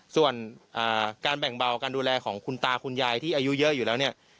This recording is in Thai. ส่วนการแบ่งเบาการดูแลของคุณตาคุณยายที่อายุเยอะอยู่แล้วเนี่ย